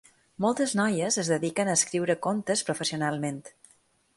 Moltes noies es dediquen a escriure contes professionalment.